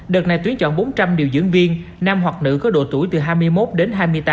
đợt này tuyến chọn bốn trăm linh điều dưỡng viên nam hoặc nữ có độ tuổi từ hai mươi một đến hai mươi tám